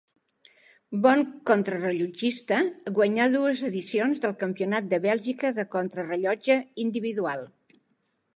Bon contrarellotgista, guanyà dues edicions del Campionat de Bèlgica de contrarellotge individual.